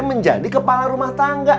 menjadi kepala rumah tangga